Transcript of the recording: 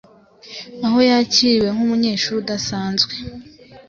aho yakiriwe nk’umunyeshuri udasanzwe.